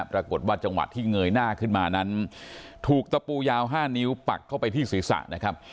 ปรากฏว่าจังหวะที่เงยหน้าขึ้นมานั้นถูกตะปูยาว๕นิ้วปักเข้าไปที่ศีรษะนะครับ